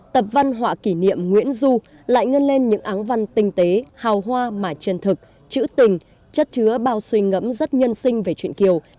tập văn họa kỷ niệm nguyễn du lại ngân lên những áng văn tinh tế hào hoa mà chân thực chữ tình chất chứa bao suy ngẫm rất nhân sinh về chuyện kiều